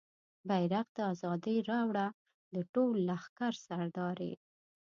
بیرغ د ازادۍ راوړه د ټول لښکر سردارې